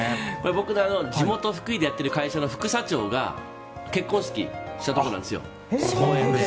僕、地元・福井でやっている会社の副社長が結婚式したところなんですよ。